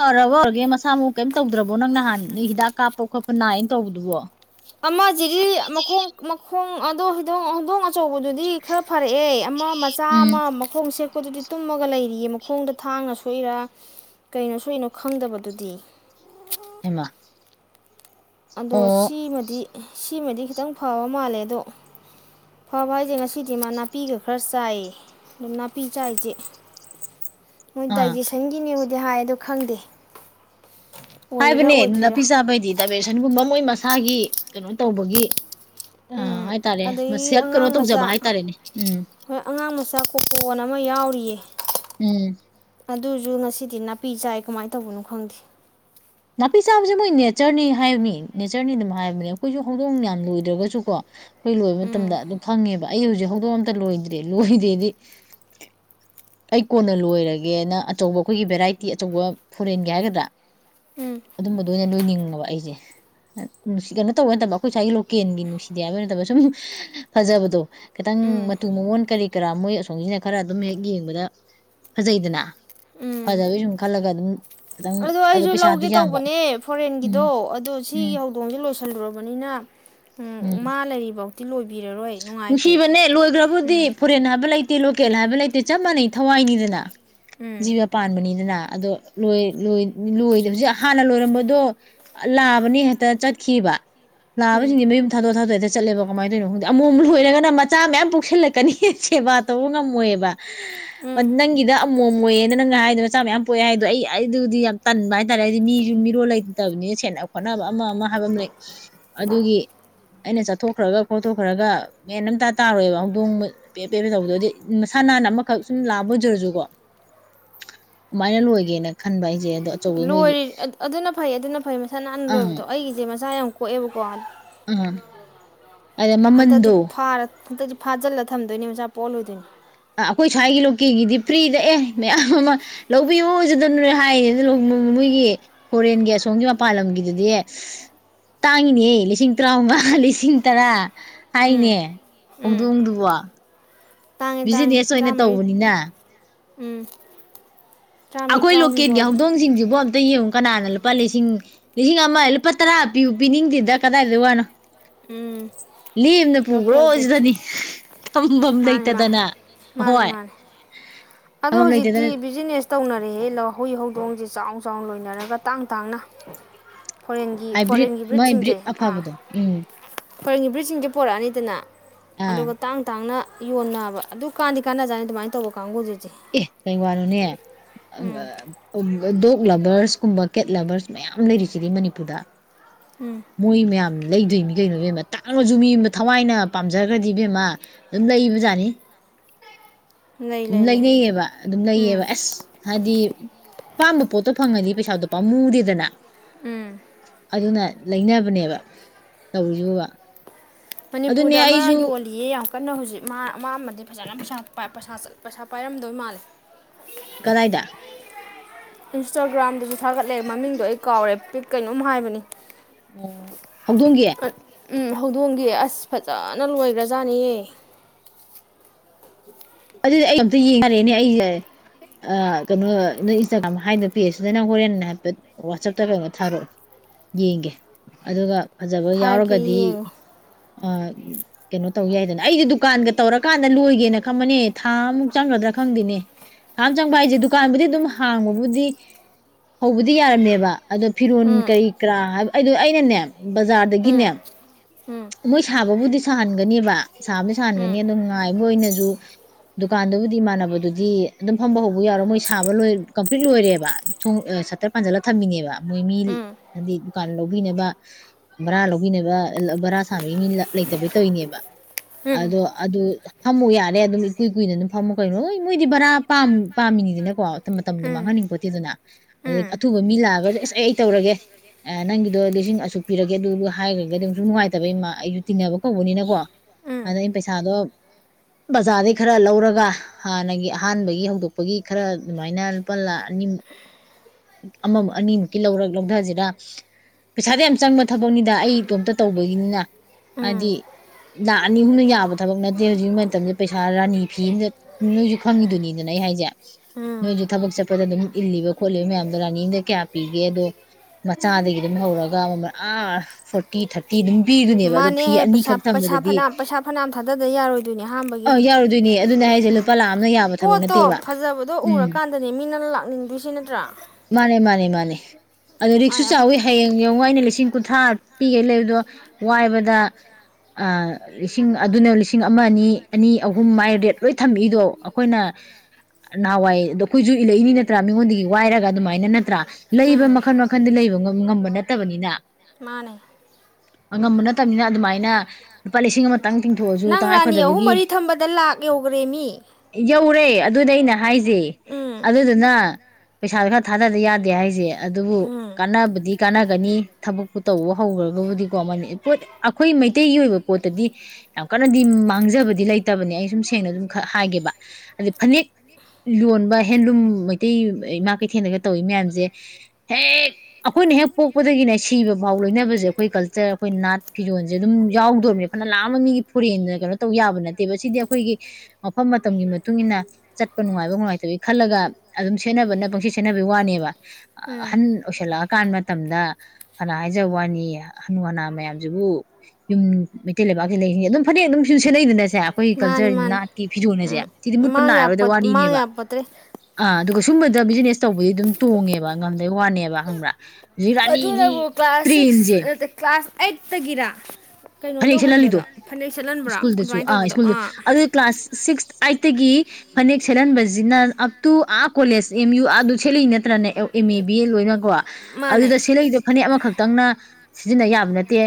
ꯌꯥꯔꯕ ꯑꯣꯏꯔꯒꯦ ꯃꯁꯥ ꯃꯨ ꯀꯩꯝ ꯇꯧꯗ꯭ꯔꯕꯣ ꯅꯪ ꯅꯍꯥꯟ ꯍꯤꯗꯥꯛ ꯀꯥꯞꯄ ꯈꯣꯠꯄ ꯅꯥꯏ ꯇꯧꯗꯨꯕꯣ ꯑꯃꯁꯤꯒꯤ ꯃꯈꯣꯡ ꯃꯈꯣꯡ ꯍꯧꯗꯣꯡ ꯍꯧꯗꯣꯡ ꯑꯆꯧꯕꯗꯨꯗꯤ ꯈꯔ ꯐꯔꯛꯑꯦ ꯑꯃ ꯃꯆꯥ ꯎꯝ ꯑꯃ ꯃꯈꯣꯡꯁꯦ ꯄꯗꯨꯗꯤ ꯇꯨꯝꯃꯒ ꯂꯩꯔꯤꯌꯦ ꯃꯈꯣꯡꯗ ꯊꯥꯡꯅ ꯁꯣꯛ ꯏꯔꯥ ꯀꯩꯅꯣ ꯁꯣꯛꯏꯅꯣ ꯈꯪꯗꯕ ꯑꯗꯨꯗꯤ ꯍꯩꯃꯥ ꯑꯗꯣ ꯁꯤꯃꯗꯤ ꯁꯤꯃꯗꯤ ꯈꯤꯇꯪ ꯐꯕ ꯃꯥꯜꯂꯦ ꯑꯗꯣ ꯐꯕ ꯍꯥꯏꯁꯦ ꯉꯁꯤꯗꯤ ꯃꯥ ꯅꯥꯄꯤꯒ ꯈꯔ ꯆꯥꯏꯌꯦ ꯑꯗꯨꯝ ꯅꯥꯄꯤ ꯆꯥꯏꯁꯦ ꯃꯣꯏ ꯑꯥ ꯗꯥꯏꯖꯦꯁꯟꯒꯤꯅꯦ ꯗꯤ ꯍꯥꯏ ꯑꯗꯣ ꯈꯪꯗꯦ ꯑꯣꯏꯔꯤꯔꯥ ꯍꯥꯏꯕꯅꯦ ꯑꯣꯏꯗ꯭ꯔꯤꯔꯥ ꯅꯥꯄꯤ ꯆꯥꯕꯩꯗꯤ ꯗꯥꯕꯦꯁꯟꯒꯨꯝꯕ ꯃꯣꯏ ꯃꯁꯥꯒꯤ ꯀꯩꯅꯣ ꯇꯧꯕꯒꯤ ꯑ ꯎꯝ ꯍꯥꯏꯇꯥꯔꯦ ꯑꯗꯒꯤ ꯁꯦꯜꯞ ꯀꯩꯅꯣ ꯑꯉꯥꯡ ꯇꯧꯖꯕ ꯃꯆꯥ ꯍꯥꯏꯇꯥꯔꯦꯅꯦ ꯎꯝ ꯍꯣꯏ ꯑꯉꯥꯡ ꯃꯆꯥ ꯀꯣꯛꯄꯅ ꯑꯃ ꯌꯥꯎꯔꯤꯌꯦ ꯎꯝ ꯑꯗꯨꯁꯨ ꯉꯁꯤꯗꯤ ꯅꯥꯄꯤ ꯆꯥꯏ ꯀꯃꯥꯏꯅ ꯇꯧꯕꯅꯣ ꯈꯪꯗꯦ ꯅꯥꯄꯤ ꯆꯥꯕꯁꯦ ꯃꯣꯏ ꯅꯦꯆꯔꯅꯤ ꯍꯥꯏꯕꯅꯤ ꯅꯦꯆꯔꯅꯤ ꯑꯗꯨꯝ ꯍꯥꯏꯕꯅꯦ ꯑꯩꯈꯣꯏꯁꯨ ꯍꯧꯗꯣꯡ ꯌꯥꯝ ꯂꯣꯏꯗ꯭ꯔꯒꯁꯨꯀꯣ ꯑꯩꯈꯣꯏ ꯂꯣꯏꯕ ꯃꯇꯝꯗ ꯎꯝ ꯑꯗꯨ ꯈꯪꯉꯦꯕ ꯑꯩ ꯍꯧꯖꯤꯛ ꯍꯧꯗꯣꯡ ꯑꯝꯇ ꯂꯣꯏꯗ꯭ꯔꯦ ꯂꯣꯏꯗꯦꯗꯤ ꯑꯩ ꯀꯣꯟꯅ ꯂꯣꯏꯔꯒꯦꯅ ꯑꯆꯧꯕ ꯑꯩꯈꯣꯏꯒꯤ ꯚꯦꯔꯥꯏꯇꯤ ꯑꯆꯧꯕ ꯐꯣꯔꯦꯟꯒꯤ ꯍꯥꯏꯒꯗ꯭ꯔꯥ ꯎꯝ ꯑꯗꯨꯝꯕꯗꯣ ꯑꯣꯏꯅ ꯂꯣꯏꯅꯤꯡꯉꯦꯕ ꯑꯩꯁꯦ ꯅꯨꯡꯁꯤ ꯀꯩꯅꯣ ꯇꯧꯕ ꯅꯠꯇꯕ ꯑꯩꯈꯣꯏ ꯁ꯭ꯁꯋꯥꯏꯒꯤ ꯂꯣꯀꯦꯜꯒꯤ ꯅꯨꯡꯁꯤꯗꯦ ꯍꯥꯏꯕ ꯅꯠꯇꯕ ꯁꯨꯝ ꯐꯖꯕꯗꯣ ꯈꯤꯇꯪ ꯎꯝ ꯃꯇꯨ ꯃꯑꯣꯟ ꯀꯔꯤ ꯀꯔꯥ ꯃꯣꯏ ꯑꯁꯣꯝꯁꯤꯅ ꯈꯔ ꯑꯗꯨꯝ ꯍꯦꯛ ꯌꯦꯡꯅꯤꯡ ꯐꯖꯩꯗꯅ ꯐꯖꯕꯩ ꯁꯨꯝ ꯈꯜꯂꯒ ꯑꯗꯨꯝ ꯈꯤꯇꯪ ꯑꯗꯣ ꯑꯩꯁꯨ ꯄꯩꯁꯥꯗꯨ ꯂꯧꯒꯦ ꯌꯥꯝꯕ ꯇꯧꯕꯅꯦ ꯎꯝ ꯐꯣꯔꯦꯟꯒꯤꯗꯣ ꯑꯗꯣ ꯁꯤꯒꯤ ꯎꯝ ꯍꯧꯗꯣꯡꯁꯦ ꯂꯣꯏꯁꯜꯂꯨꯔꯕꯅꯤꯅ ꯎꯝ ꯃꯥ ꯂꯩꯔꯤꯕꯧ ꯂꯣꯏ ꯅꯨꯡꯁꯤꯕꯅꯦ ꯂꯣꯏꯈ꯭ꯔꯕꯨꯗꯤ ꯎꯝ ꯐꯣꯔꯦꯟ ꯍꯥꯏꯕ ꯂꯩꯇꯦ ꯦ ꯂꯣꯀꯦꯜ ꯍꯥꯏꯕ ꯂꯩꯇꯦ ꯆꯞ ꯃꯥꯟꯅꯩ ꯊꯋꯥꯏꯅꯤꯗꯅ ꯎꯝ ꯖꯤꯕꯥ ꯄꯥꯟ ꯃꯅꯤꯗ ꯅ ꯑꯗꯣ ꯂꯣꯏ ꯍꯧꯖꯤꯛ ꯍꯥꯟꯅ ꯂꯣꯏꯔꯝꯕꯗꯣ ꯂꯥꯕꯅꯤ ꯍꯦꯛꯇ ꯆꯠꯈꯤꯕ ꯎꯝ ꯃꯤꯃꯤꯝ ꯊꯥꯗꯣ ꯊꯥꯗꯣꯦ ꯆꯦꯕ ꯀꯃꯥꯏꯗ ꯅꯅꯍꯣꯏ ꯑꯃꯣꯝ ꯂꯣꯏꯔꯒꯅ ꯃꯆꯥ ꯃꯌꯥꯝ ꯄꯣꯛꯁꯜꯂꯛꯀꯅꯤ ꯁꯦꯕꯥ ꯇꯧꯕ ꯉꯝꯃꯣꯏꯑꯕ ꯎꯝ ꯅꯪꯒꯤꯗ ꯑꯃꯣꯝ ꯑꯣꯏꯌꯦꯅ ꯅꯪꯅ ꯍꯥꯏꯗꯣ ꯃꯆꯥ ꯃꯌꯥꯝ ꯄꯣꯛꯑꯦ ꯍꯥꯏꯗꯣ ꯑꯩꯗꯨꯗꯤ ꯌꯥꯝ ꯇꯟꯕ ꯍꯥꯏꯇꯥꯔꯦ ꯍꯥꯏꯗꯤ ꯃꯤꯁꯨ ꯃꯤꯔꯣꯜ ꯂꯩꯇꯇꯕꯅꯤꯅ ꯁꯦꯟꯅ ꯈꯣꯠꯅꯕ ꯑꯃ ꯑꯃ ꯍꯥꯏꯕ ꯑꯃ ꯂꯩ ꯑꯗꯨꯒꯤ ꯑꯩꯅ ꯆꯠꯊꯣꯛꯈ꯭ꯔꯒ ꯈꯣ ꯈꯔꯒ ꯃꯦꯟ ꯑꯝꯇ ꯇꯥꯔꯣꯏꯑꯕ ꯍꯧꯗꯣꯡ ꯄꯦꯞ ꯄꯦꯞꯄꯦ ꯇꯧꯕꯗꯣ ꯑꯗꯨꯗꯤ ꯃꯁꯥ ꯅꯥꯟꯅ ꯑꯃꯈꯛ ꯁꯨꯝ ꯂꯥꯄ ꯑꯣꯏꯖꯔꯁꯨꯀꯣ ꯑꯗꯨꯃꯥꯏꯅ ꯂꯣꯏꯒꯦꯅ ꯈꯟꯕ ꯑꯩꯁꯦ ꯑꯗꯣ ꯑꯆꯧꯕ ꯃꯣꯏꯗꯤ ꯂꯣꯏꯔꯤ ꯑꯗꯨꯅ ꯐꯩ ꯑꯗꯨꯅ ꯐꯩ ꯃꯁꯥ ꯅꯍꯥꯟ ꯑꯥ ꯂꯣꯏꯕꯗꯣ ꯑꯩꯒꯤꯁꯦ ꯃꯆꯥ ꯌꯥꯝ ꯀꯣꯛꯑꯦꯕꯀꯣ ꯎꯝ ꯑꯗ ꯃꯃꯟꯗꯣ ꯍꯟꯇꯁꯨ ꯐꯥꯖꯤꯜꯂ ꯊꯝꯗꯣꯏꯅꯦ ꯃꯆꯥ ꯄꯣꯠꯂꯣꯏꯗꯣꯏꯅꯤ ꯑ ꯑꯩꯈꯣꯏ ꯁ꯭ꯋꯥꯏꯒꯤ ꯂꯣꯀꯦꯜꯒꯤꯗꯤ ꯐ꯭ꯔꯤꯗ ꯑꯦ ꯃꯌꯥꯝ ꯑꯃ ꯂꯧꯕꯤꯌꯨꯖꯗꯅꯅꯦ ꯍꯥꯏꯅꯦ ꯑꯗꯨ ꯃꯣꯏꯒꯤ ꯐꯣꯔꯦꯟꯒꯤ ꯑꯁꯣꯝꯒꯤ ꯃꯄꯥꯟ ꯂꯝꯒꯤꯗꯨꯗꯤ ꯇꯥꯡꯉꯤꯅꯦ ꯂꯤꯁꯤꯡ ꯇꯔꯥꯃꯉꯥ ꯂꯤꯁꯤꯡ ꯇꯔꯥ ꯍꯥꯏꯅꯦ ꯎꯝ ꯎꯝ ꯍꯧꯣꯡꯗꯣꯡꯗꯨꯕꯣ ꯇꯥꯡꯉꯦ ꯇꯥꯡꯉꯦ ꯕꯤꯖꯤꯅꯦꯁ ꯑꯣꯏꯅ ꯇꯔꯥꯃꯔꯤ ꯇꯧꯕꯅꯤꯅ ꯎꯝ ꯇꯔꯥꯃꯔꯤ ꯑꯩꯈꯣꯏ ꯂꯣꯀꯦꯜꯒꯤ ꯇꯔꯥꯍꯨꯝꯗꯣꯏ ꯍꯧꯗꯣꯡꯁꯤꯡꯁꯤꯕꯨ ꯑ ꯌꯦꯡꯉꯨ ꯀꯅꯥꯅ ꯂꯨꯄꯥ ꯂꯤꯁꯤꯡ ꯂꯤꯁꯤꯡ ꯑꯃ ꯂꯨꯄꯥ ꯇꯔꯥ ꯄꯤꯌ ꯄꯤꯅꯤꯡꯗꯦꯗ ꯀꯗꯥꯏꯗ ꯋꯥꯅꯣ ꯎꯝ ꯂꯦꯝꯅ ꯄꯨꯈ꯭ꯔꯣ ꯂꯣꯀꯦꯜ ꯐ꯭ꯔꯤ ꯁꯤꯗꯅꯤ ꯊꯝꯐꯝ ꯃꯥꯅꯤ ꯃꯥꯅꯤ ꯂꯩꯇꯗꯅ ꯃꯥꯅꯤ ꯍꯣꯏ ꯃꯥꯅꯤ ꯑꯗꯣ ꯊꯝꯐꯝ ꯍꯧꯖꯤꯛꯇꯤ ꯂꯩꯇꯗꯅ ꯕꯤꯖꯤꯅꯦꯁ ꯇꯧꯅꯔꯦꯍꯦ ꯂꯧ ꯍꯧ ꯍꯧꯗꯣꯡꯁꯤ ꯆꯥꯎ ꯆꯥꯎꯅ ꯂꯣꯏꯅꯔꯒ ꯇꯥꯡ ꯇꯥꯡꯅ ꯐꯣꯔꯦꯟꯒꯤ ꯑꯕ꯭ꯔꯤꯠ ꯐꯣꯔꯦꯟꯒꯤ ꯃꯥꯏ ꯕ꯭ꯔꯤꯠ ꯑꯐꯥꯕꯗ ꯎꯝ ꯍꯣꯔꯦꯟꯒꯤ ꯕ꯭ꯔꯤꯖꯁꯤꯡꯁꯦ ꯄꯣꯔꯛꯑꯅꯤꯗꯅ ꯑꯥ ꯑꯗꯨꯒ ꯇꯥꯡ ꯇꯥꯡꯅ ꯌꯣꯟꯅꯕ ꯑꯗꯨ ꯀꯥꯟꯗꯤ ꯀꯥꯟꯅꯖꯥꯠꯅꯤ ꯑꯗꯨꯃꯥꯏꯅ ꯇꯧꯕ ꯀꯥꯡꯒꯁꯤꯁꯨꯦ ꯑꯦ ꯀꯩ ꯋꯥꯔꯅꯦ ꯑ ꯎꯝ ꯗꯣꯛ ꯂꯚꯔꯁꯀꯨꯝꯕ ꯀꯦꯠ ꯂꯚꯔꯁ ꯃꯌꯥꯝ ꯂꯩꯔꯤꯁꯤꯗꯤ ꯃꯅꯤꯄꯨꯔꯗ ꯃꯣꯏ ꯃꯌꯥꯝꯅ ꯂꯩꯗꯣꯏꯅꯤ ꯀꯩꯅꯣ ꯏꯕꯦꯝꯃ ꯇꯥꯡꯅꯁꯨꯨ ꯃꯤ ꯊꯋꯥꯏꯅ ꯄꯥꯝꯖꯈ꯭ꯔꯗꯤ ꯏꯕꯦꯝꯃ ꯑꯗꯨꯝ ꯂꯩꯕꯖꯥꯠꯅꯤ ꯅ ꯂꯩ ꯂꯩ ꯂꯩ ꯄꯅꯩꯌꯦꯕ ꯑꯗꯨꯝ ꯎꯝ ꯂꯩꯌꯦꯕ ꯑꯦꯁ ꯍꯥꯏꯗꯤ ꯑꯄꯥꯝꯕ ꯄꯣꯠꯇꯣ ꯐꯪꯉꯗꯤ ꯄꯩꯁꯥꯗꯣ ꯄꯥꯝꯃꯨꯗꯦꯗꯅ ꯎꯝ ꯑꯗꯨꯅ ꯂꯩꯅ ꯅꯦꯕ ꯇꯧꯔꯤꯕꯕ ꯃꯅꯤꯄꯨꯔꯗ ꯑꯃ ꯌꯣꯜꯂꯤꯌꯦ ꯌꯥꯎ ꯀꯟꯅꯣ ꯍꯧꯖꯤꯛ ꯃꯥ ꯃꯥ ꯑꯃꯗꯤ ꯐꯖꯅ ꯄꯩꯁꯥ ꯄꯩꯁꯥ ꯄꯥꯏꯔꯝꯗꯣꯏ ꯃꯥꯜꯂꯦ ꯀꯗꯥꯏꯗ ꯏꯟꯁꯇꯥꯒ꯭ꯔꯥꯝꯗ ꯐꯥꯒꯠꯂꯦ ꯃꯃꯤꯡꯗꯣ ꯑꯩ ꯀꯥꯎꯔꯦ ꯄꯤꯛ ꯀꯩꯅꯣꯝ ꯍꯥꯏꯕꯅꯤ [unintelligible] ꯎꯝ ꯍꯧꯗꯣꯡꯒꯤ ꯑ- ꯎꯝ ꯍꯧꯗꯣꯡꯒꯤ ꯑꯁ ꯐꯖꯅ ꯂꯣꯏꯈ꯭ꯔꯖꯥꯠꯅꯤꯌꯦ ꯑꯗꯨꯗꯤ ꯑꯩ ꯑꯝꯇ ꯌꯦꯡꯅꯔꯦꯅꯦ ꯑꯩꯁꯦ ꯀꯩꯅꯣ ꯅ ꯏꯟꯁꯇꯥꯒ꯭ꯔꯥꯝ ꯍꯥꯏꯗ ꯄꯦꯖꯁꯤꯗ ꯅꯪ ꯍꯣꯔꯦꯟ ꯍꯥꯏꯐꯦꯠ ꯋꯥꯆꯞꯇ ꯀꯩꯅꯣ ꯊꯥꯔꯛꯑꯣ ꯌꯦꯡꯒꯦ ꯑꯗꯨꯒ ꯐꯖꯕ ꯊꯥꯔꯛꯀꯦ ꯌꯥꯎꯔꯒꯗꯤ ꯌꯦꯡꯉꯣ ꯑ ꯎ ꯀꯩꯅꯣ ꯇꯧ ꯌꯥꯏꯗꯅ ꯑꯩꯗꯤ ꯗꯨꯀꯥꯟꯒ ꯇꯧꯔꯀꯥꯟꯗ ꯂꯣꯏꯒꯦꯅ ꯈꯃꯅꯦ ꯊꯥ ꯑꯃꯨꯛ ꯆꯪꯒꯗ꯭ꯔꯥ ꯈꯪꯗꯦꯅꯦ ꯊꯥ ꯑꯃ ꯆꯪꯕ ꯍꯥꯏꯁꯦ ꯗꯨꯀꯥꯟꯕꯨꯗꯤ ꯑꯗꯨꯝ ꯍꯥꯡꯕꯕꯨꯗꯤ ꯍꯧꯕꯗꯤ ꯌꯥꯔꯝꯃꯦꯕ ꯑꯗꯣ ꯐꯤꯔꯣꯣꯟ ꯎꯝ ꯀꯔꯤ ꯀꯔꯥ ꯍꯥꯏ ꯑꯩꯅꯅꯦ ꯎꯝ ꯕꯖꯥꯔꯗꯒꯤꯅꯦ ꯎꯝ ꯃꯣꯏ ꯁꯥꯕꯕꯨꯗꯤ ꯁꯥꯍꯟꯒꯅꯦꯕ ꯁꯥꯕꯗꯤ ꯎꯝ ꯁꯥꯍꯟꯒꯅꯤ ꯑꯗꯨꯝ ꯉꯥꯏꯕ ꯑꯣꯏꯅꯁꯨ ꯗꯨꯀꯥꯟꯗꯨꯕꯨꯗꯤ ꯏꯃꯅꯕꯗꯨꯗꯤ ꯑꯗꯨꯝ ꯐꯝꯕ ꯍꯧꯕ ꯌꯥꯎꯔꯣ ꯃꯣꯏ ꯁꯥꯕ ꯂꯣꯏ ꯀꯝꯄ꯭ꯂꯤꯠ ꯂꯣꯏꯔꯦꯕ ꯊ ꯁꯇ꯭ꯔ ꯄꯥꯟꯁꯤꯜꯂ ꯊꯝꯃꯤꯅꯦꯕ ꯃꯣꯏ ꯃꯤ ꯎꯝ ꯍꯥꯏꯗꯤ ꯗꯨꯀꯥꯟ ꯂꯧꯕꯤꯅꯕ ꯚꯔꯥ ꯂꯧꯕꯤꯅꯕ ꯚꯔꯥ ꯁꯥꯕꯒꯤ ꯃꯤ ꯂꯩꯇꯕꯩ ꯇꯧꯔꯤꯅꯦꯕ ꯑꯗꯣ ꯎꯝ ꯑꯗ ꯊꯝꯃꯨ ꯌꯥꯅꯤ ꯑꯗꯨꯝ ꯏ ꯀꯨꯏ ꯀꯨꯏꯅ ꯑꯗꯨꯝ ꯐꯝꯃ ꯀꯩꯅꯣ ꯅꯣꯏ ꯃꯣꯏꯗꯤ ꯔꯥ ꯄꯥꯝꯃꯤꯅꯤꯗꯅꯀꯣ ꯃꯇꯝ ꯃꯇꯝꯗꯣ ꯎꯝ ꯃꯥꯡꯍꯟꯅꯤꯡꯄꯣꯠꯇꯤꯗꯅ ꯑꯗꯩ ꯑꯊꯨꯕ ꯃꯤ ꯂꯥꯛꯑꯒꯗꯤ ꯑꯁ ꯑꯩ ꯇꯧꯔꯒꯦ ꯅꯪꯒꯤꯗꯣ ꯂꯤꯁꯤꯡ ꯑꯁꯨꯛ ꯄꯤꯔꯒꯦ ꯑꯗꯨꯗꯣ ꯍꯥꯏꯈ꯭ꯔꯒꯗꯤ ꯑꯗꯨ ꯁꯨꯝ ꯅꯨꯡꯉꯥꯏꯇꯕ ꯏꯃ ꯑꯩꯁꯨ ꯇꯤꯅꯕ ꯀꯧꯕꯅꯤꯅꯀꯣ ꯎꯝ ꯎꯝ ꯑꯗꯨꯗ ꯑꯩꯅ ꯄꯩꯁꯥꯗꯣ ꯕꯖꯥꯔꯗꯩ ꯈꯔ ꯂꯧꯔꯒ ꯍꯥꯟꯅꯒꯤ ꯑꯍꯥꯟꯕꯒꯤ ꯍꯧꯗꯣꯛꯄꯒꯤ ꯈꯔ ꯑꯗꯨꯃꯥꯏꯅ ꯂꯨꯄꯥ ꯂꯥ ꯑꯅꯤꯃꯨꯛ ꯑꯃꯃꯨꯛ ꯑꯅꯤꯃꯨꯛꯀꯤ ꯂꯧꯔ ꯂꯧꯊꯁꯤꯔ ꯄꯩꯁꯥꯗꯤ ꯌꯥꯝ ꯆꯪꯕ ꯊꯕꯛꯅꯤꯗ ꯑꯩ ꯏꯇꯣꯝꯇ ꯇꯧꯕꯒꯤꯅꯤꯅ ꯎꯝ ꯍꯥꯏꯗꯤ ꯂꯥ ꯑꯅꯤ ꯑꯍꯨꯝꯅ ꯌꯥꯕ ꯊꯕꯛ ꯅꯠꯇꯦ ꯍꯧꯖꯤꯛꯀꯤ ꯃꯇꯝꯗ ꯄꯩꯁꯥ ꯔꯥꯅꯤ ꯐꯤ ꯑꯃꯗ ꯅꯣꯏꯁꯨ ꯈꯪꯉꯤꯗꯨꯅꯤꯗꯅ ꯑꯩ ꯍꯥꯏꯁꯦ ꯎꯝ ꯅꯣꯏꯁꯨ ꯊꯕꯛ ꯆꯠꯄꯗ ꯑꯗꯨꯝ ꯏꯜꯂꯤꯕ ꯈꯣꯠꯂꯤꯕ ꯃꯌꯥꯝꯗꯣ ꯔꯥꯅꯤꯗ ꯀꯌꯥ ꯄꯤꯒꯦ ꯑꯗꯣ ꯃꯆꯥꯗꯒꯤ ꯑꯗꯨꯝ ꯍꯧꯔꯒ ꯃꯃꯜ ꯑꯥ ꯐꯣꯔꯇꯤ ꯊꯥꯔꯇꯤ ꯑꯗꯨꯝ ꯄꯤꯗꯨꯅꯦꯕ ꯑꯗꯣ ꯐꯤ ꯃꯥꯅꯦꯍꯦ ꯄꯩꯁꯥ ꯑꯅꯤꯈꯛ ꯄꯩꯁꯥ ꯊꯝꯕꯗꯗꯤ ꯐꯅ ꯄꯩꯁꯥ ꯐꯅꯥꯌꯥꯝꯝ ꯊꯥꯗꯗ ꯌꯥꯔꯣꯏꯗꯣꯏꯅꯦ ꯑꯍꯥꯟꯕꯒꯤ ꯑ ꯌꯥꯎꯔꯗꯣꯏꯅꯦꯑ ꯑꯗꯨꯅꯦ ꯑꯩꯁꯦ ꯂꯨꯄꯥ ꯂꯥꯛꯑ ꯑꯃꯅ ꯌꯥꯕꯗ ꯄꯣꯠꯇꯣ ꯐꯖꯕꯗꯣ ꯎꯔꯀꯥꯟꯗꯅꯦ ꯃꯤꯅ ꯂꯥꯛꯅꯤꯡꯗꯣꯏꯁꯤ ꯅꯠꯇ꯭ꯔꯥ ꯑ ꯑꯗꯨ ꯔꯤꯛꯁꯨ ꯃꯥꯏ ꯆꯥꯎꯋꯤ ꯍꯌꯦꯡ ꯌꯦꯡꯉꯨ ꯑꯩꯅ ꯂꯤꯁꯤꯡ ꯀꯨꯟꯊ꯭ꯔꯥ ꯄꯤꯈꯩ ꯂꯩꯕꯗꯣ ꯋꯥꯏꯕꯗ ꯂꯤꯁꯤꯡ ꯑꯗꯨꯅ ꯂꯤꯁꯤꯡ ꯑꯃ ꯑꯅꯤ ꯑꯅꯤ ꯑꯍꯨꯝ ꯃꯥꯏ ꯔꯦꯠ ꯂꯣꯏ ꯊꯝꯃꯛꯏꯗꯣ ꯑꯩꯈꯣꯏꯅ ꯅꯍꯥꯟꯋꯥꯏ ꯑꯗꯣ ꯑꯩꯈꯣꯏꯁꯨ ꯏꯜꯂꯛꯏꯅꯤ ꯅꯠꯇ꯭ꯔꯥ ꯃꯤꯉꯣꯟꯗꯒꯤ ꯋꯥꯏꯔꯒ ꯑꯗꯨꯃꯥꯏꯅ ꯅꯠꯇ꯭ꯔꯥ ꯂꯩꯕ ꯎꯝ ꯃꯈꯟ ꯃꯈꯟꯗ ꯂꯩꯕ ꯉꯝꯕ ꯅꯠꯇꯕꯅꯤꯅ ꯃꯥꯅꯦ ꯑꯉꯝꯕ ꯅꯠꯇꯕꯅꯤꯅ ꯑꯗꯨꯃꯥꯏꯅ ꯂꯨꯄꯥ ꯂꯤꯁꯤꯡ ꯑꯃ ꯈꯤꯇꯪ ꯇꯤꯡꯊꯣꯛꯑꯁꯨ ꯅꯪ ꯔꯥꯅꯤ ꯑꯍꯨꯝ ꯇꯉꯥꯏꯐꯗꯕꯒꯤ ꯃꯔꯤ ꯊꯝꯕꯗ ꯂꯥꯛ ꯌꯧꯈꯔꯦ ꯃꯤ ꯑꯗꯨꯗ ꯑꯩꯅ ꯍꯥꯏꯁꯦ ꯎꯝ ꯑꯗꯨꯗꯨꯅ ꯄꯩꯁꯥꯗ ꯈꯔ ꯊꯥꯗꯗ ꯌꯥꯗꯦ ꯍꯥꯏꯁꯦ ꯑꯗꯨꯕꯨ ꯎꯝ ꯀꯥꯟꯅꯕꯗꯤ ꯀꯥꯟꯅꯒꯅꯤ ꯊꯕꯛꯄꯨ ꯇꯧꯕ ꯍꯧꯈ꯭ꯔꯒꯕꯨꯗꯤꯀꯣ ꯄꯣ ꯑꯩꯈꯣꯏ ꯃꯩꯇꯩꯒꯤ ꯑꯣꯏꯕ ꯄꯣꯠꯇꯗꯤ ꯌꯥꯝ ꯀꯟꯅꯗꯤ ꯃꯥꯡꯖꯕꯗꯤ ꯂꯩꯇꯦ ꯐꯠꯇꯕꯅꯦ ꯑꯩ ꯁꯨꯝ ꯁꯦꯡꯅ ꯑꯗꯨꯝ ꯍꯥꯏꯒꯦꯕ ꯑꯩ ꯐꯅꯦꯛ ꯌꯣꯟꯕ ꯍꯦꯟꯂꯨꯝ ꯃꯩꯇꯩ ꯏꯃꯥ ꯀꯩꯊꯦꯜꯗꯒ ꯇꯧꯏ ꯃꯌꯥꯝꯁꯦ ꯍꯦꯛ ꯑꯩꯈꯣꯏꯅ ꯍꯦꯛ ꯄꯣꯛꯄꯗꯒꯤꯅꯦ ꯁꯤꯕ ꯐꯥꯎ ꯂꯣꯏꯅꯕꯁꯦ ꯑꯩꯈꯣꯏ ꯀꯜꯆꯔ ꯑꯩꯈꯣꯏ ꯅꯥꯠ ꯐꯤꯔꯣꯟꯜꯁꯦ ꯑꯗꯨꯝ ꯌꯥꯎꯗꯣꯔꯤꯕꯅꯤ ꯐꯅ ꯂꯥꯛꯑ ꯑꯃ ꯃꯤꯒꯤ ꯐꯣꯔꯦꯟꯅ ꯀꯩꯅꯣ ꯇꯧ ꯌꯥꯕ ꯅꯠꯇꯅ ꯅꯠꯇꯦꯕ ꯁꯤꯗꯤ ꯑꯩꯈꯣꯏꯒꯤ ꯃꯐꯝ ꯃꯇꯝꯒꯤ ꯃꯇꯨꯡ ꯏ ꯃꯇꯨꯡꯏꯟꯅ ꯆꯠꯄ ꯅꯨꯡꯉꯥꯏꯕ ꯅꯨꯡꯉꯥꯏꯇꯕꯒꯤ ꯈꯜꯂꯒ ꯑꯗꯨꯝ ꯁꯦꯟꯅꯕꯅ ꯄꯪꯆꯦꯠ ꯁꯦꯠꯟꯅꯕꯒꯤ ꯋꯥꯅꯦꯕ ꯎꯝ ꯑꯍꯟ ꯑꯣꯏꯁꯜꯂꯛꯑꯀꯥꯟ ꯃꯇꯝꯗ ꯐꯅ ꯍꯥꯏꯖꯕ ꯋꯥꯅꯤ ꯍꯅꯨ ꯍꯅꯥ ꯃꯌꯥꯝꯁꯤꯕꯨ ꯌꯨꯝ ꯃꯩꯇꯩ ꯂꯩꯕꯥꯛꯁꯤ ꯂꯩꯁꯤꯅꯤ ꯑꯗꯨꯝ ꯐꯅꯦꯛ ꯑꯗꯨꯝ ꯁ ꯁꯦꯠꯅꯩꯗꯅꯁꯦ ꯑꯩꯈꯣꯏꯒꯤ ꯃꯥꯅꯤ ꯀꯜꯆꯔ ꯃꯥꯅꯤ ꯅꯥꯠꯀꯤ ꯐꯤꯖꯣꯜ ꯑꯁꯦ ꯎꯝ ꯁꯤꯗꯤ ꯃꯨꯠꯄ ꯃꯥꯡ ꯅꯥꯔꯗ ꯌꯥꯄꯣꯠ ꯃꯥꯡ ꯋꯥꯔꯤꯅꯦꯕ ꯌꯥꯄꯣꯠꯇ꯭ꯔꯦ ꯑꯥ ꯑꯗꯨꯒ ꯁꯨꯝꯕꯗ ꯕꯤꯖꯤꯅꯦꯁ ꯇꯧꯕꯗꯤ ꯑꯗꯨꯝ ꯇꯣꯡꯉꯦꯕ ꯉꯝꯗꯩ ꯋꯥꯅꯦꯕ ꯍ ꯈꯪꯕ꯭ꯔꯥ ꯍꯧꯖꯤꯛ ꯔꯥꯅꯤꯒꯤ ꯀ꯭ꯂꯥꯁ ꯇ꯭ꯔꯦꯟꯁꯦ ꯁꯤꯛꯁ ꯀ꯭ꯂꯥꯁ ꯐꯥꯠ ꯇꯥꯒꯤꯔꯥ ꯐꯅꯦꯛꯌꯦꯛꯁꯜꯍꯜꯂꯤꯗꯣ ꯁ꯭ꯀꯨꯜꯗꯁꯨ ꯑꯗꯨꯃꯥꯏꯅ ꯑꯥ ꯇꯧꯕꯗꯣ ꯁ꯭ꯀꯨꯜꯗ ꯑꯗꯨ ꯀ꯭ꯂꯥꯁ ꯁꯤꯛꯁ ꯑꯥꯏꯠꯇꯒꯤ ꯐꯅꯦꯛ ꯁꯦꯠꯍꯟꯕꯁꯤꯅ ꯑꯞ ꯇꯨ ꯑꯥ ꯀꯣꯂꯦꯖ ꯑꯦꯝ ꯌꯨ ꯑꯥ ꯑꯗꯨ ꯁꯦꯠꯂꯛꯏ ꯅꯠꯇ꯭ꯔꯅꯦ ꯑꯦꯝ ꯑꯦ ꯕꯤ ꯑꯦ ꯂꯣꯏꯅꯀꯣ ꯃꯥꯅꯦ ꯑꯗꯨꯗꯥ ꯁꯦꯠꯂꯦꯏ ꯗꯨ꯫ ꯐꯥꯅꯦꯛ ꯑꯥꯃꯥ ꯈ꯭ꯇꯪ ꯅꯥ ꯁꯤꯖꯟꯕꯥ ꯌꯥꯕꯥ ꯅ꯭ꯇꯦ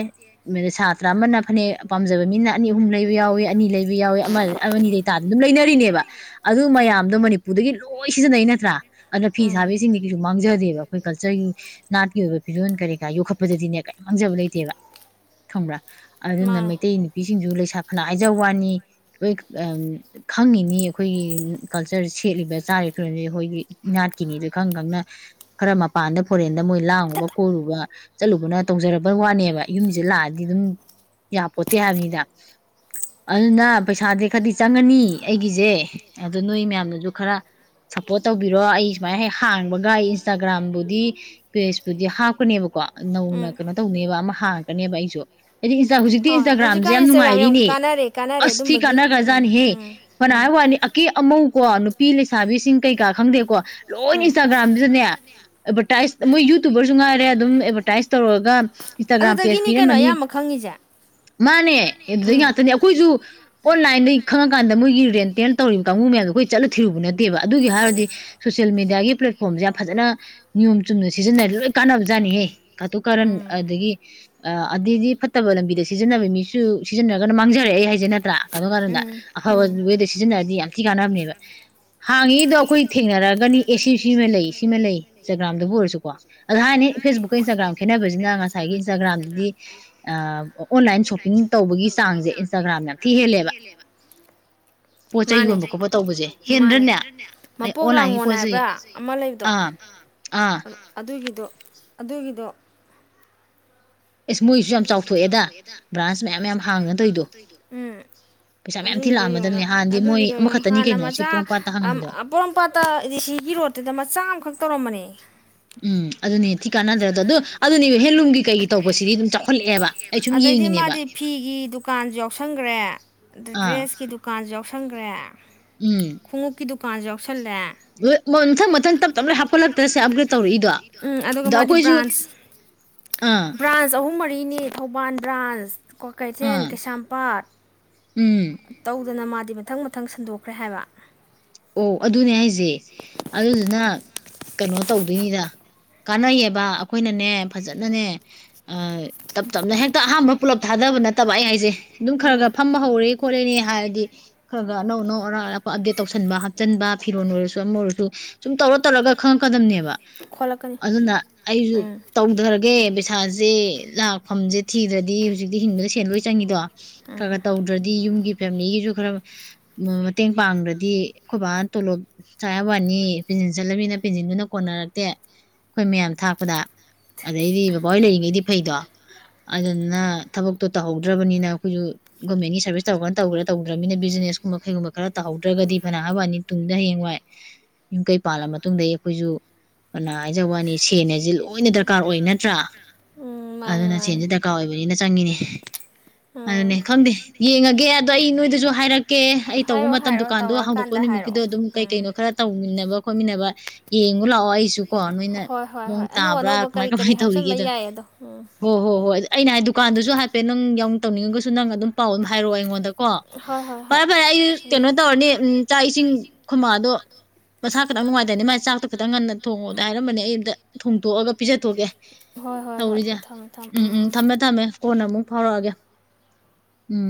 ꯃꯤ꯫ ꯁꯥꯇ꯭ꯔ ꯑꯃꯅ ꯐꯅꯦꯛ ꯄꯥꯝꯖꯕ ꯃꯤꯅ ꯑꯅꯤ ꯑꯍꯨꯝ ꯂꯩꯕ ꯌꯥꯎꯋꯤ ꯑꯅꯤ ꯂꯩꯕ ꯌꯥꯎꯋꯤ ꯑꯃ ꯑꯅꯤ ꯂꯩꯇꯥꯗ ꯑꯗꯨꯝ ꯂꯩꯅꯔꯤꯅꯦꯕ ꯑꯗꯨ ꯎꯝ ꯃꯌꯥꯝꯗꯣ ꯃꯅꯤꯄꯨꯔꯗꯒꯤ ꯂꯣꯏ ꯁꯤꯖꯤꯟꯅꯩ ꯅꯠꯇ꯭ꯔꯥ ꯑꯗꯨꯅ ꯐꯤ ꯎꯝ ꯁꯥꯕꯤꯁꯤꯡꯗꯤ ꯀꯩꯁꯨ ꯃꯥꯡꯖꯗꯦꯕ ꯑꯩꯈꯣꯏ ꯀꯜꯆꯔꯒꯤ ꯅꯥꯠꯀꯤ ꯑꯣꯏꯕ ꯐꯤꯖꯣꯜ ꯀꯔꯤ ꯀꯔꯥ ꯌꯣꯛꯈꯠꯄꯗꯗꯤꯅꯦ ꯀꯔꯤ ꯃꯥꯡꯖꯕ ꯂꯩꯇꯦꯕ ꯈꯪꯕ꯭ꯔꯥ ꯑꯗꯨꯅ ꯃꯥꯅꯦ ꯃꯩꯇꯩ ꯅꯨꯄꯤꯁꯤꯡꯁꯨ ꯂꯩꯁꯥ ꯐꯅ ꯍꯥꯏꯖ ꯋꯥꯅꯤ ꯂꯣꯏ ꯈꯪꯉꯤꯅꯤ ꯑꯩꯈꯣꯏꯒꯤ ꯀꯜꯆꯔ ꯁꯦꯠꯂꯤꯕ ꯆꯥꯔꯤꯕ ꯐꯤꯕꯝꯁꯤ ꯑꯩꯈꯣꯏꯒꯤ ꯏꯅꯥꯠꯀꯤꯅꯤꯗ ꯈꯪ ꯈꯪꯅ ꯈꯔ ꯃꯄꯥꯟꯗ ꯐꯣꯔꯦꯟꯗ ꯃꯣꯏ ꯂꯥꯡꯉꯨꯕ ꯀꯣꯏꯔꯨꯕ ꯆꯠꯂꯨꯕꯅ ꯇꯧꯖꯔꯕ ꯋꯥꯅꯦꯕ ꯌꯨꯝꯁꯤꯁꯗ ꯂꯥꯛꯑꯗꯤ ꯑꯗꯨꯝ ꯌꯥꯄꯣꯠꯇꯦ ꯍꯥꯏꯕꯅꯤꯗ ꯑꯗꯨꯅ ꯄꯩꯁꯥꯗꯤ ꯈꯔꯗꯤ ꯆꯪꯉꯅꯤ ꯑꯩꯒꯤꯁꯦ ꯑꯗ ꯅꯣꯏ ꯃꯌꯥꯝꯅꯁꯨ ꯈꯔ ꯁꯞꯄꯣꯔꯠ ꯇꯧꯕꯤꯔꯣ ꯑꯩ ꯁꯨꯃꯥꯏꯅ ꯍꯥꯡꯕꯒ ꯑꯩ ꯏꯟꯁꯇꯥꯒ꯭ꯔꯥꯝꯕꯨꯗꯤ ꯄꯦꯁꯄꯕꯨꯗꯤ ꯍꯥꯞꯀꯅꯦꯕꯀꯣ ꯅꯧꯅ ꯎꯝ ꯀꯩꯅꯣ ꯇꯧꯅꯦꯕ ꯑꯃ ꯍꯥꯡꯉꯛꯀꯅꯦꯕ ꯑꯩꯁꯨ ꯍꯥꯏꯗꯤ ꯏ ꯍꯧꯖꯤꯛꯇꯤ ꯍꯣꯏ ꯏꯟꯁꯇꯥꯒ꯭ꯔꯥꯝꯁꯦ ꯍꯧꯖꯤꯛꯀꯥꯟ ꯌꯥꯝ ꯏꯟꯁꯇꯥꯒ꯭ꯔꯥꯝ ꯅꯨꯡꯉꯥꯏꯔꯤꯅꯦ ꯀꯥꯟꯅꯔꯦ ꯀꯥꯟꯅꯔꯦ ꯑꯁ ꯊꯤ ꯑꯗꯨꯝꯕꯒꯤ ꯎꯝ ꯀꯥꯟꯅꯈ꯭ꯔꯖꯥꯠꯅꯤ ꯍꯦ ꯎꯝ ꯀꯅꯥ ꯎꯝ ꯍꯥꯏꯕ ꯋꯥꯅꯤ ꯀꯦ ꯑꯃꯧꯀꯣ ꯅꯨꯄꯤ ꯂꯩꯁꯥꯕꯤꯁꯤꯡ ꯀꯩꯀꯥ ꯈꯪꯗꯦꯀꯣ ꯂꯣꯏ ꯎꯝ ꯏꯟꯁꯇꯥꯒ꯭ꯔꯥꯝꯗꯨꯗꯅꯦ ꯑꯦꯠꯚꯔꯇꯥꯏꯁ ꯃꯣꯏ ꯌꯨꯇꯨꯕꯔꯁꯨ ꯉꯥꯏꯔꯦ ꯑꯗꯨꯝ ꯑꯦꯠꯚꯔꯇꯥꯏꯁ ꯇꯧꯔꯒ ꯏꯟꯁꯇꯥꯒ꯭ꯔꯥꯝ ꯑꯗꯨꯗꯥꯒꯤ ꯄꯦꯖ ꯅꯦ ꯄꯤꯔꯝꯃꯅꯤ ꯑꯌꯥꯝꯕꯥ ꯈ꯭ꯡꯒꯦ ꯁꯦ꯫ ꯃꯥꯅꯦ꯫ ꯏ ꯑꯗꯨꯗꯦꯏ ꯉꯛꯇꯥꯅꯦ ꯑꯈꯣꯏꯁꯨ꯫ ꯑꯣꯟꯂꯥꯏꯟꯗꯒꯤꯩ ꯈꯪꯉꯀꯥꯟꯗ ꯃꯣꯏꯒꯤ ꯔꯦꯟꯇꯦꯟ ꯇꯧꯔꯤꯕ ꯀꯥꯡꯕꯨ ꯃꯌꯥꯝꯗꯣ ꯑꯩꯈꯣꯏ ꯆꯠꯂ ꯊꯤꯔꯨꯕ ꯅꯠꯇꯦꯕ ꯑꯗꯨꯒꯤ ꯍꯥꯏꯔꯗꯤ ꯁꯣꯁꯤꯦꯜ ꯃꯦꯗꯤꯌꯥꯒꯤ ꯄ꯭ꯂꯦꯠꯐꯣꯔꯝꯁꯦ ꯌꯥꯝ ꯐꯖꯅ ꯅꯤꯌꯣꯝ ꯆꯨꯝꯅ ꯁꯤꯖꯤꯟꯅꯔ ꯂꯣꯏ ꯀꯥꯟꯅꯕꯖꯥꯠꯅꯤꯍꯦ ꯀꯥꯇꯨ ꯀꯥꯔꯟ ꯎꯝ ꯑꯗꯒꯤ ꯑꯗꯩꯗꯤ ꯐꯠꯇꯕ ꯂꯝꯕꯤꯗ ꯁꯤꯖꯤꯟꯅꯕ ꯃꯤꯁꯨ ꯁꯤꯖꯤꯟꯅꯔꯒꯅ ꯃꯥꯡꯖꯔꯛꯑꯦ ꯑꯩ ꯍꯥꯏꯖꯦ ꯅꯠꯇ꯭ꯔꯥ ꯀꯩꯅꯣ ꯀꯥꯟꯗ ꯎꯝ ꯑꯐꯕ ꯎꯝ ꯋꯦꯗ ꯁꯤꯖꯤꯟꯅꯔꯗꯤ ꯌꯥꯝ ꯊꯤ ꯀꯥꯟꯅꯕꯅꯦꯕ ꯍꯥꯡꯉꯤꯗꯣ ꯑꯩꯈꯣꯏ ꯊꯦꯡꯅꯔꯛꯒꯅꯤ ꯑꯦ ꯁꯤ ꯁꯤꯃ ꯂꯩ ꯁꯤꯃ ꯂꯩ ꯏꯟꯁꯇꯥꯒ꯭ꯔꯥꯝꯗꯕꯨ ꯑꯣꯏꯔꯁꯨꯀꯣ ꯑꯗ ꯍꯥꯏꯅꯤ ꯐꯦꯁꯕꯨꯛꯀ ꯏꯟꯁꯇꯥꯒ꯭ꯔꯥꯝ ꯈꯦꯠꯅꯕꯁꯤꯅ ꯉꯁꯥꯏꯒꯤ ꯏꯟꯁꯇꯥꯒ꯭ꯔꯥꯝꯗꯗꯤ ꯑꯣꯟꯂꯥꯏꯟ ꯁꯣꯞꯄꯤꯡ ꯇꯧꯕꯒꯤ ꯆꯥꯡꯁꯦ ꯏꯟꯁꯇꯥꯒ꯭ꯔꯥꯝꯅ ꯄꯣꯠ ꯆꯩ ꯃꯥꯅꯦ ꯌꯣꯟꯕ ꯈꯣꯠꯄ ꯇꯧꯕꯁꯦ ꯃꯥꯅꯦ ꯍꯦꯟꯗ꯭ꯔꯅꯦ ꯑꯩ ꯃꯄꯣꯛ ꯑꯣꯟꯂꯥꯏꯟꯒꯤ ꯂꯥꯡꯉꯣ ꯄꯣꯠ ꯆꯩ ꯍꯥꯏꯕ꯭ꯔꯥ ꯑꯃ ꯂꯩꯕꯗꯣ ꯑꯥ ꯑꯥ ꯑꯗꯨꯒꯤꯗꯣ ꯑꯗꯨꯒꯤ ꯗꯨ꯫ ꯑꯦꯁ ꯃꯣꯏꯁꯨ ꯌꯥꯝ ꯆꯥꯎꯊꯣꯛꯑꯦꯗ ꯕ꯭ꯔꯥꯟꯁ ꯃꯌꯥꯝ ꯃꯌꯥꯝ ꯍꯥꯡꯗꯅ ꯇꯧꯔꯤꯗꯣ ꯎꯝ ꯄꯩꯁꯥ ꯃꯌꯥꯝ ꯊꯤ ꯑꯗꯨꯒꯤꯗꯣ ꯌꯦꯡꯉ ꯂꯥꯛꯑꯝꯃꯗꯕꯅꯤ ꯍꯥꯟꯅꯗꯤ ꯃꯣꯏ ꯑꯗꯨꯒꯤꯗꯣ ꯌꯦꯡꯉꯣ ꯑꯃꯈꯛꯇꯅꯤ ꯍꯥꯟꯅ ꯀꯩꯅꯣ ꯁꯤ ꯃꯆꯥ ꯄꯣꯔꯣꯝꯄꯥꯠꯇ ꯍꯥꯡꯉꯝꯃꯤꯗꯣ ꯑꯄꯣꯔꯝꯄꯥꯠꯇꯗꯤ ꯁꯤꯒꯤ ꯔꯣꯠꯇꯨꯗ ꯃꯆꯥ ꯑꯃꯈꯛ ꯇꯧꯔꯝꯕꯅꯦ꯫ ꯎꯝ ꯑꯗꯨꯅꯦ ꯊꯤ ꯀꯥꯟꯅꯗ꯭ꯔꯦ ꯑꯗꯣ ꯑꯗꯨ ꯑꯗꯨꯅꯦꯕ ꯍꯦꯟꯂꯨꯝꯒꯤ ꯀꯩꯒꯤ ꯇꯧꯕꯁꯤꯗꯤ ꯑꯗꯨꯝ ꯆꯥꯎꯈꯠꯂꯛꯑꯦꯕ ꯑꯩ ꯁꯨꯝ ꯑꯗꯩꯗꯤ ꯌꯦꯡꯉꯤꯅꯦꯕ ꯃꯥꯗꯤ ꯐꯤꯒꯤ ꯗꯨꯀꯥꯟꯁꯨ ꯌꯥꯎꯁꯟꯈ꯭ꯔꯦ ꯑꯗ ꯑꯥ ꯗ꯭ꯔꯦꯁꯀꯤ ꯗꯨꯀꯥꯟꯁꯨ ꯌꯥꯎ ꯈꯪꯒ꯭ꯔꯦ꯫ ꯈꯨꯡꯅꯨꯞ ꯒꯤꯗꯨ꯫ ꯀꯥꯖ ꯑꯣꯐ ꯃꯪ ꯃꯊꯪ ꯇꯞ ꯇꯝꯕ꯭ꯔꯦ ꯍꯥꯄꯂꯛ ꯇꯔꯦꯕ꯭ꯔ ꯎꯝ ꯑꯗꯨꯒꯥ ꯃꯥ ꯗꯤ ꯁꯥꯈꯥ ꯑꯥ ꯁꯥꯈꯥ ꯑꯍꯨꯝ ꯃꯔꯤ ꯅꯦ꯫ ꯊꯣꯎꯕꯜ ꯁꯥꯈꯥ꯫ ꯀ꯭ꯕꯥꯈꯩꯇꯦꯜ ꯑꯥ ꯀꯦꯌꯁꯃꯄꯠ ꯎꯝ ꯇ꯭ꯕꯤ ꯗ꯭ꯅꯥ ꯃꯥ ꯗꯤ ꯃꯊꯪ ꯃꯊꯪ ꯁꯟꯗꯣꯈ꯭ꯔꯦ ꯍꯥꯏꯕꯥ꯫ ꯑꯣꯍ ꯑꯗꯨꯅꯦ ꯍꯥꯏꯁꯦ ꯑꯗꯨꯗꯨꯅꯥ꯫ ꯀꯩꯅꯣ ꯇꯧꯗꯣꯏꯅꯤꯗ ꯀꯥꯟꯅꯩꯌꯦꯕ ꯑꯩꯈꯣꯏꯅꯅꯦ ꯐꯖꯅꯅꯦ ꯇꯞ ꯇꯞꯅ ꯍꯦꯛꯇ ꯑꯍꯝꯕ ꯄꯨꯂꯞ ꯊꯥꯗꯕ ꯅꯠꯇꯕ ꯑꯩ ꯍꯥꯏꯁꯦ ꯑꯗꯨꯝ ꯈ꯭ꯔꯥ ꯎꯝ ꯈ꯭ꯔꯥ ꯐ꯭ꯍꯝꯕꯥ ꯍ꯭ꯔꯦ ꯈꯣꯇꯂꯅꯤ꯫ ꯍꯥꯏꯔꯗꯤ ꯈꯔ ꯈ ꯑꯅꯧ ꯑꯅꯧ ꯑꯔ ꯑꯞꯗꯦꯠ ꯇꯧꯁꯤ ꯊꯟꯕ ꯍꯥꯞꯆꯟꯕ ꯐꯤꯔꯣꯟꯜ ꯑꯣꯏꯔꯁꯨ ꯑꯃ ꯑꯣꯏꯔꯁꯨ ꯁꯨꯝ ꯇꯧꯔ ꯇꯧꯔꯒ ꯈꯪꯉꯛꯀꯗꯕꯅꯦꯕ ꯈꯣꯠꯂꯛꯀꯅꯤ ꯑꯗꯨꯅ ꯑꯩꯁꯨ ꯎꯝ ꯇꯧꯗꯔꯒꯦ ꯄꯩꯁꯥꯁꯦ ꯂꯥꯛꯐꯝꯁꯦ ꯊꯤꯗ꯭ꯔꯗꯤ ꯍꯧꯖꯤꯛꯇꯤ ꯍꯤꯡꯕꯗ ꯁꯦꯟ ꯂꯣꯏ ꯆꯪꯉꯤꯗꯣ ꯈ ꯎꯝ ꯈ ꯇꯧꯗ꯭ꯔꯗꯤ ꯌꯨꯝꯒꯤ ꯐꯦꯃꯤꯂꯤꯒꯤꯁꯨ ꯈꯔ ꯃꯇꯦꯡ ꯄꯥꯡꯗ꯭ꯔꯗꯤ ꯑꯩꯈꯣꯏ ꯕꯥꯅ ꯇꯣꯂꯣꯞ ꯆꯥꯏ ꯍꯥꯏꯕ ꯋꯥꯅꯤ ꯄꯦꯟꯁꯤꯟ ꯆꯠꯂꯕꯅꯤꯅ ꯄꯦꯟꯁꯤꯟꯗꯨꯅ ꯀꯣꯟꯅꯔꯛꯇꯦ ꯑꯈꯣꯏ ꯃꯌꯥꯝ ꯊꯥꯛꯄꯗ ꯑꯗꯩꯗꯤ ꯕꯕꯥꯍꯣꯏ ꯂꯩꯔꯤꯉꯩꯗꯤ ꯐꯩꯗꯣ ꯑꯗꯨꯗꯨꯅ ꯊꯕꯛꯇꯣ ꯇꯧꯍꯧꯗ꯭ꯔꯕꯅꯤꯅ ꯑꯩꯈꯣꯏꯁꯨ ꯒꯣꯔꯃꯦꯟꯒꯤ ꯁꯥꯔꯚꯤꯁ ꯇꯧꯔꯒꯅ ꯇꯧꯒ꯭ꯔꯦ ꯇꯧꯗ꯭ꯔꯕꯅꯤꯅ ꯕꯤꯖꯤꯅꯦꯁ ꯀꯨꯝꯕ ꯀꯩꯒꯨꯝꯕ ꯈꯔ ꯇꯧꯍꯧꯗ꯭ꯔꯒꯗꯤ ꯐꯅ ꯍꯥꯏꯋꯥꯅꯤ ꯇꯨꯡꯗ ꯍꯌꯦꯡꯋꯥꯏ ꯌꯨꯝ ꯀꯩ ꯄꯥꯜꯂ ꯃꯇꯨꯡꯗꯩ ꯑꯩꯈꯣꯏꯁꯨ ꯐꯅ ꯍꯥꯏꯖ ꯋꯥꯅꯤ ꯁꯦꯜ ꯍꯥꯏꯁꯦ ꯂꯣꯏꯅ ꯗꯔꯀꯥꯔ ꯑꯣꯏ ꯅꯠꯇ꯭ꯔꯥ ꯎꯝ ꯃꯥꯅꯦ ꯑꯗꯨꯅ ꯃꯥꯅꯦ ꯁꯦꯟꯁꯦ ꯗꯔꯀꯥꯔ ꯑꯣꯏꯕꯅꯤꯅ ꯆꯪꯉꯤꯅꯦ ꯑꯗꯨꯅꯦ ꯎꯝ ꯈꯪꯗꯦ ꯌꯦꯡꯉꯒꯦ ꯑꯗꯣ ꯑꯩ ꯅꯣꯏꯗꯁꯨ ꯍꯥꯏꯔꯛꯀꯦ ꯑꯩ ꯇꯧꯕ ꯍꯥꯏꯔꯛꯑꯣ ꯃꯇꯝ ꯍꯥꯏꯔꯛꯑꯣ ꯗꯨꯀꯥꯟꯗꯣ ꯍꫭꯡꯗꯣꯛꯄ ꯇꯧꯔꯛꯑꯀꯥꯟꯗ ꯍꯥꯏꯔꯛꯑꯣ ꯅꯨꯃꯤꯠꯀꯤꯗꫭ ꯑꯗꯨꯝ ꯀꯩ ꯎꯝ ꯀꯩꯅꯣ ꯈꯔ ꯇꯧꯃꯤꯟꯅ ꯃꯤꯟꯅꯕ ꯈꯣꯠꯃꯤꯟꯅꯕ ꯌꯦꯡꯉꯨ ꯂꯥꯛꯑꯣ ꯑꯩ ꯁꯨ ꯀꯣ ꯅꯣꯏꯅ ꯍꯣꯏ ꯍꯣꯏ ꯍꯣꯏ ꯃꯑꯣꯡ ꯑꯅꯧ ꯇꯥꯕ꯭ꯔꯥ ꯑꯅꯧꯕ ꯀꯃꯥꯏ ꯀꯔꯤ ꯀꯔꯤ ꯀꯃꯥꯏꯅ ꯍꯥꯞꯆꯤꯟꯕ ꯇꯧꯔꯤꯒꯦꯗ ꯌꯥꯏ ꯑꯗꯣ ꯎꯝ ꯍꯣ ꯍꯣꯏ ꯍꯣꯏ ꯑꯗꯨ ꯑꯩꯅ ꯍꯥꯏ ꯗꯨꯀꯥꯟꯗꯨꯁꯨ ꯍꯥꯏꯄꯦꯠ ꯅꯪ ꯌꯥꯎ ꯇꯧꯅꯤꯡꯉꯒꯁꯨ ꯅꯪ ꯑꯗꯨꯝ ꯄꯥꯎ ꯑꯗꯨꯝ ꯍꯥꯏꯔꯛꯑꯣ ꯑꯩꯉꯣꯟꯗ ꯀꯣ ꯍꯣꯏ ꯍꯣꯏ ꯐꯔꯦ ꯍꯣꯏ ꯐꯔꯦ ꯑꯩ ꯀꯩꯅꯣ ꯇꯧꯔꯅꯤ ꯎꯝ ꯆꯥꯛ ꯏꯁꯤꯡ ꯈꫭꯏꯃꯥꯗꯣ ꯃꯁꯥ ꯈꯤꯇꯪ ꯅꯨꯡꯉꯥꯏꯇꯦꯅ ꯃꯥꯥꯏ ꯆꯥꯛꯇꯣ ꯈꯤꯇꯪ ꯉꯟꯅ ꯊꯣꯡꯉꯣꯗꯤ ꯍꯥꯏꯔꯝꯕꯅꯦ ꯑꯩ ꯑꯝꯇ ꯊꯣꯡꯗꯣꯛꯑꯒ ꯄꯤꯖꯊꯣꯛꯀꯦ ꯍꯣꯏ ꯍꯣꯏ ꯍꯣꯏ ꯇꯧꯔꯤꯁꯦ ꯊꯝꯃꯦ ꯊꯝꯃꯦ ꯎꯝ ꯎꯝ ꯊꯝꯃꯦ ꯊꯝꯃꯦ ꯀꯣꯟꯅ ꯑꯃꯨꯛ ꯐꯥꯎꯔꯑꯒꯦ ꯎꯝ